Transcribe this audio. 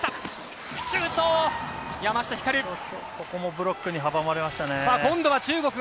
ここもブロックに阻まれましたね。